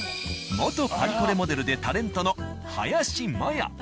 元パリコレモデルでタレントの林マヤ。